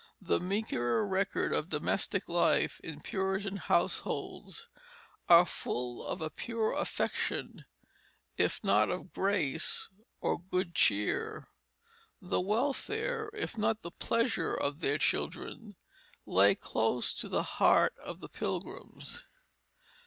The meagre records of domestic life in Puritan households are full of a pure affection, if not of grace or good cheer. The welfare, if not the pleasure of their children, lay close to the heart of the Pilgrims.